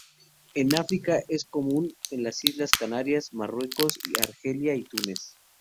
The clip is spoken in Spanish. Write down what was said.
En África es común en las islas Canarias, Marruecos, Argelia y Túnez.